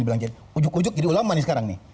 dibilang ujuk ujuk jadi ulama sekarang nih